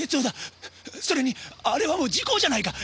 それにあれはもう時効じゃないか！